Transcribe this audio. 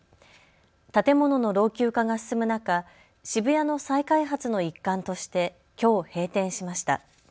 建物の老朽化が進む中、渋谷の再開発の一環としてきょう閉店しました。